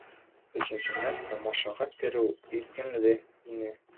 Өсөнсөнән, тамашаға кереү ирекле ине.